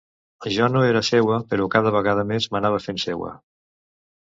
Jo no era seua, però cada vegada més m'anava fent seua.